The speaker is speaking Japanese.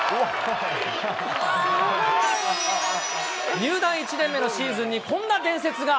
入団１年目のシーズンにこんな伝説が。